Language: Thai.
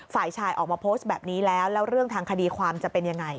ฝ่ายชายออกมาโพสต์แบบนี้แล้วแล้วเรื่องทางคดีความจะเป็นยังไง